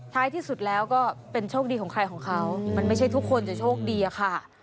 ที่สุดแล้วก็เป็นโชคดีของใครของเขามันไม่ใช่ทุกคนจะโชคดีอะค่ะ